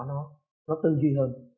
nó tư duy hơn